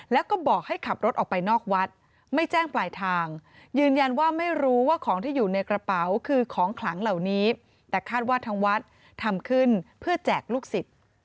แล้วก็บอกให้ขับรถออกไปนอกวัดไม่แจ้งปลายทางยืนยันว่าไม่รู้ว่าของที่อยู่ในกระเป๋าคือของขลังเหล่านี้แต่คาดว่าทางวัดทำขึ้นเพื่อแจกลูกศิษย์